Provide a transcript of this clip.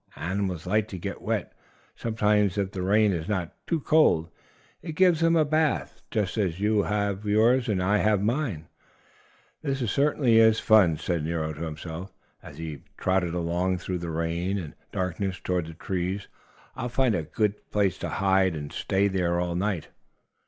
Animals like to get wet, sometimes, if the rain is not too cold. It gives them a bath, just as you have yours in a tub. "This certainly is fun!" said Nero to himself, as he trotted along through the rain and darkness toward the trees. "I'll find a good place to hide in and stay there all night."